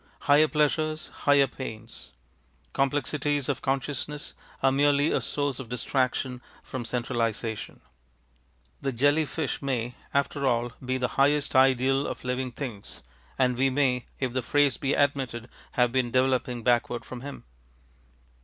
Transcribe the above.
Higher pleasures, higher pains. Complexities of consciousness are merely a source of distraction from centralisation. The jelly fish may, after all, be the highest ideal of living things, and we may, if the phrase be admitted, have been developing backward from him.